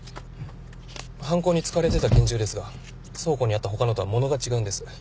犯行に使われてた拳銃ですが倉庫にあった他のとは物が違うんです。